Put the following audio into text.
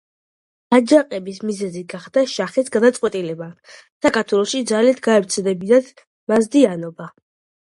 აჯანყების მიზეზი გახდა შაჰის გადაწყვეტილება, საქართველოში ძალით გაევრცელებინა მაზდეანობა.